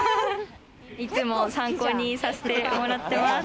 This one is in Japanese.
いつも参考にさせてもらってます。